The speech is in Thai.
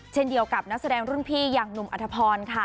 เช่นเดียวกับนักแสดงรุ่นพี่อย่างหนุ่มอัธพรค่ะ